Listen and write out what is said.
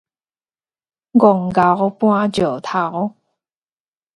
戇猴搬石頭